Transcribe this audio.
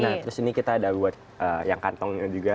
nah terus ini kita ada buat yang kantongnya juga